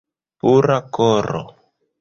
Pura koro!